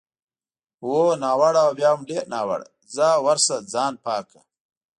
هو، ناوړه او بیا هم ډېر ناوړه، ځه ورشه ځان پاک کړه.